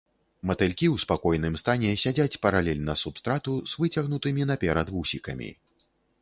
Матылькі ў спакойным стане сядзяць паралельна субстрату з выцягнутымі наперад вусікамі.